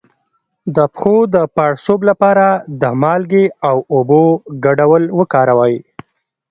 د پښو د پړسوب لپاره د مالګې او اوبو ګډول وکاروئ